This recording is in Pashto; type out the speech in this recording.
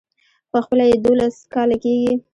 خو خپله يې دولس کاله کېږي.